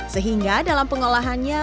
sehingga dalam pengolahannya